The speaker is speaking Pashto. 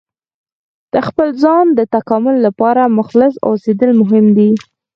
د خپل ځان د تکامل لپاره مخلص اوسیدل مهم دي.